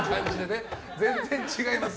全然違います！